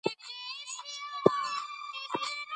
ښوونکي هڅاند دي.